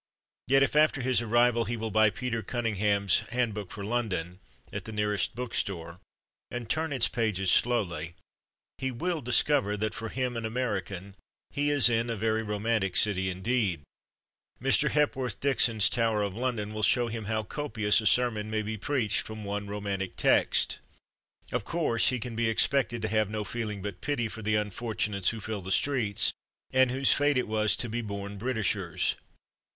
Yet if after his arrival he will buy Peter Cunningham's Hand book for London at the nearest book store, and turn its pages slowly, he will discover that for him, an American, he is in a very romantic city indeed. Mr. Hepworth Dixon's Tower of London will show him how copious a sermon may be preached from one romantic text. Of course he can be expected to have no feeling but pity for the unfortunates who fill the streets, and whose fate it was to be born Britishers.